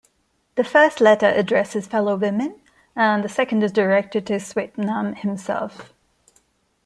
The first letter addresses fellow women, and the second is directed to Swetnam himself.